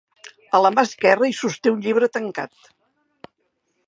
A la mà esquerra hi sosté un llibre tancat.